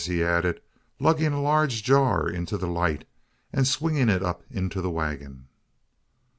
he added, lugging a large jar into the light, and swinging it up into the waggon.